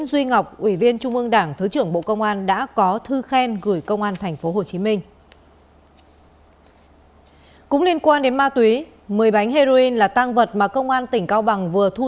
xin chào các bạn